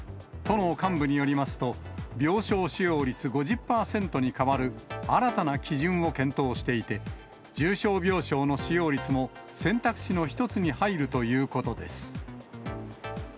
都の幹部によりますと、病床使用率５０％に代わる、新たな基準を検討していて、重症病床の使用率も、選択肢の一つに入るということです。